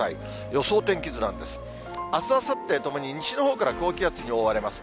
予想気温なんですが、あす、あさってともに西のほうから高気圧に覆われます。